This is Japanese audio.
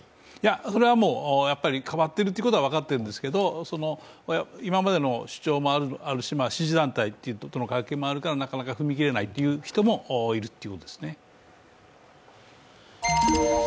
それはもうやっぱり変わっているということは分かっているんですけど今までの主張もあるし、支持団体という関係でなかなか踏み切れないという人もいるという。